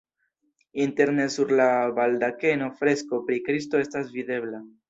Interne sur la baldakeno fresko pri Kristo estas videbla.